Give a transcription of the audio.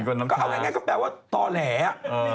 ก็เอาง่ายก็แปลว่าต่อแหล